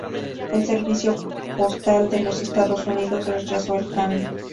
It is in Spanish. El servicio postal de los Estados Unidos rechazó el cambio.